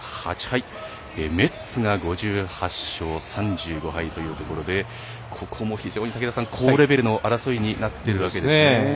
メッツが５８勝３５敗というところでここも非常に高レベルの争いになってるわけですね。